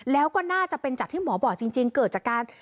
แล้วก็น่าจะเป็นจากที่หมอบอกจริงเกิดจากการ